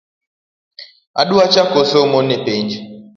Adwa chako somo ne penj